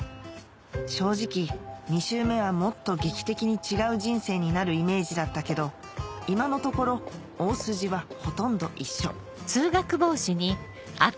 正直２周目はもっと劇的に違う人生になるイメージだったけど今のところ大筋はほとんど一緒